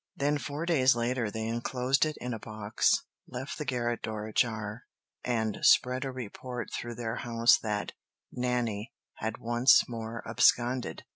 Then four days later they enclosed it in a box, left the garret door ajar, and spread a report through their house that "Nanny" had once more absconded.